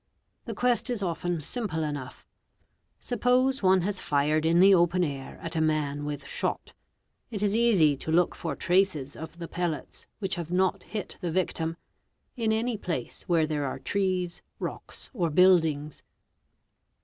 The quest is often sumple enough; suppose one has fired in the open air at a man with shot; it is easy to look for races of the pellets which have not hit the victim, in any place where here are trees, rocks, or buildings.